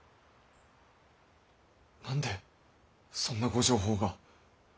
何でそんなご定法が。